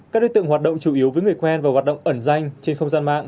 các đối tượng hoạt động chủ yếu với người quen và hoạt động ẩn danh trên không gian mạng